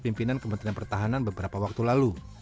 pimpinan kementerian pertahanan beberapa waktu lalu